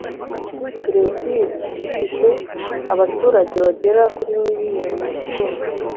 Burezili ifite abaturage bagera kuri miliyoni rwose